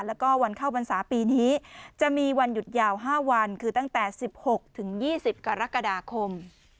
แล้วก็วันเข้าพรรษาปีนี้จะมีวันหยุดยาว๕วันคือตั้งแต่๑๖๒๐กรกฎาคม